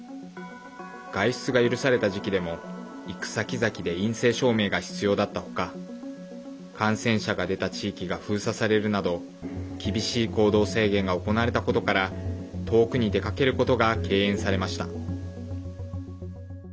外出が許された時期でも行くさきざきで陰性証明が必要だった他感染者が出た地域が封鎖されるなど厳しい行動制限が行われたことから遠くに出かけることが敬遠されました。